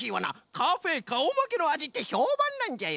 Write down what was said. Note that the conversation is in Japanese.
カフェかおまけのあじってひょうばんなんじゃよ。